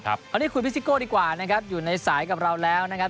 วันนี้คุณพิซิโก้ดีกว่านะครับอยู่ในสายกับเราแล้วนะครับ